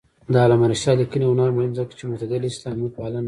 د علامه رشاد لیکنی هنر مهم دی ځکه چې معتدله اسلاميپالنه لري.